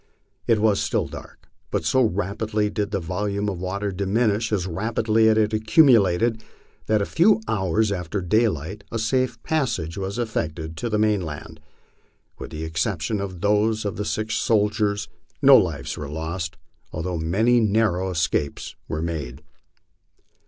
It was still dark, but so rapidly did the volume of water diminish as rapidly as it had accumulated that a few hours after daylight a safe passage was effected to the mainland. With the exception of those of the six soldiers, no lives were lost, although many narrow escapes were made.